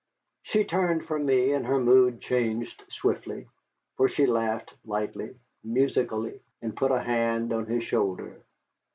She turned from me, and her mood changed swiftly. For she laughed lightly, musically, and put a hand on his shoulder.